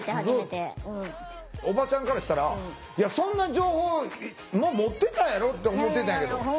おばちゃんからしたらいやそんな情報もう持ってたやろ？って思ってたんやけど。